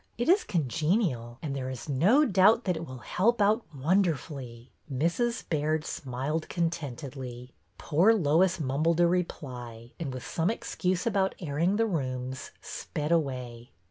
It is congenial, and there is no doubt that it will help out wonderfully." Mrs. Baird smiled contentedly. Poor Lois mumbled a reply and, with some excuse about airing the rooms, sped away.